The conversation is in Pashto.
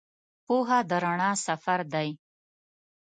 پوهه د رڼا سفر دی.